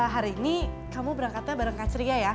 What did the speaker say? hari ini kamu berangkatnya bareng kak ceria ya